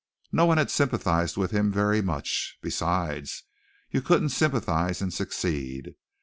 No one had sympathized with him very much. Besides you couldn't sympathize and succeed.